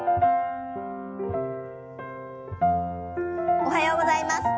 おはようございます。